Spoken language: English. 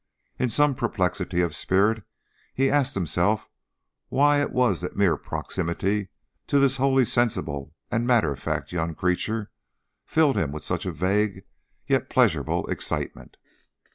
In some perplexity of spirit he asked himself why it was that mere proximity to this wholly sensible and matter of fact young creature filled him with such a vague yet pleasurable excitement.